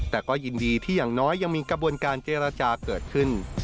แต่ก็ยินดีที่อย่างน้อยยังมีกระบวนการเจรจาเกิดขึ้น